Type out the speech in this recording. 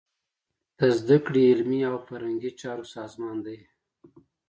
د زده کړې، علمي او فرهنګي چارو سازمان دی.